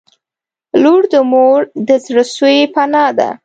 • لور د مور د زړسوي پناه ده.